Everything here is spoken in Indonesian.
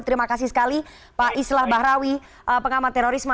terima kasih sekali pak islah bahrawi pengamat terorisme